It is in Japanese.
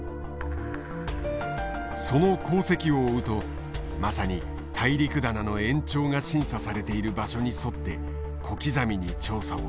その航跡を追うとまさに大陸棚の延長が審査されている場所に沿って小刻みに調査をしていた。